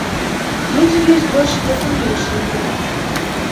Людзі ёсць больш разумнейшыя за нас.